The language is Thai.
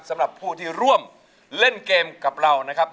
สำหรับผู้ที่ร่วมเล่นเกมกับเรานะครับ